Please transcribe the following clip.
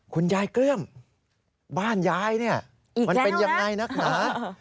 คุณยายเกลือมบ้านยายเนี่ยมันเป็นยังไงนักหนา